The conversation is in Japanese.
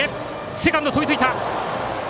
セカンド飛びついた。